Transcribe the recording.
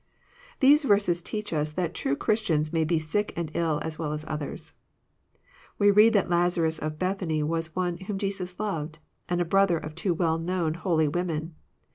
These verses teach us that true ^ Ch ristians may be sick and iU as weU as others. We read that Lazarus of Bethany was one " whom Jesus loved," and a ^ brother of two well known holy women.